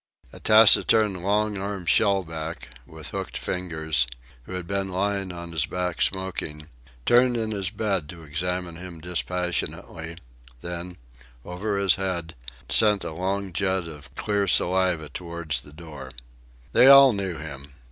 A taciturn long armed shellback, with hooked fingers, who had been lying on his back smoking, turned in his bed to examine him dispassionately, then, over his head, sent a long jet of clear saliva towards the door. They all knew him!